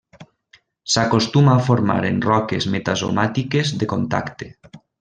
S'acostuma a formar en roques metasomàtiques de contacte.